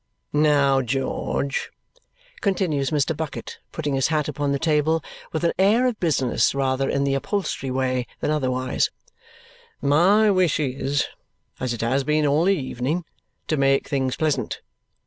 "Now, George," continues Mr. Bucket, putting his hat upon the table with an air of business rather in the upholstery way than otherwise, "my wish is, as it has been all the evening, to make things pleasant.